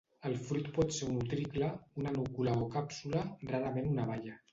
El fruit pot ser un utricle, una núcula o càpsula, rarament una baia.